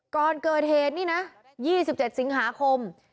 ก่อนเกิดเหตุนี่นะ๒๗สิงหาคม